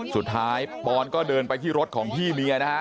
สุดท้ายป้อนก็เดินไปที่รถของพี่เมียนะฮะ